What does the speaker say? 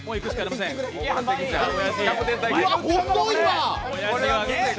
うわ、細いわ！